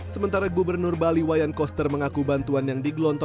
sementara gubernur bali wayan koster mengaku bantuan yang digelontorkan